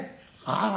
ああ